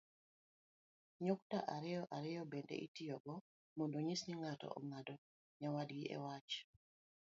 nyukta ariyo ariyo bende itiyogo mondo onyis ni ng'ato ong'ado nyawadgi iwach